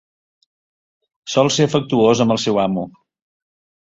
Sol ser afectuós amb el seu amo.